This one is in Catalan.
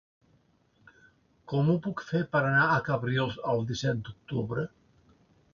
Com ho puc fer per anar a Cabrils el disset d'octubre?